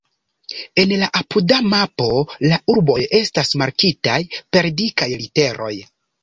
En la apuda mapo la urboj estas markitaj per dikaj literoj.